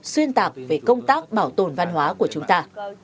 xuyên tạc về công tác bảo tồn văn hóa của chúng ta